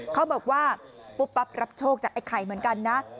เขาบอกว่าปุ๊บปั๊บรับโชคจากไอ้ไข่เหมือนกันนะ